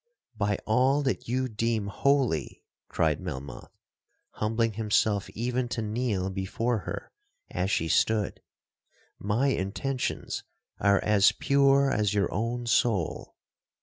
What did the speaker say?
'—'By all that you deem holy!' cried Melmoth, humbling himself even to kneel before her as she stood,—'my intentions are as pure as your own soul!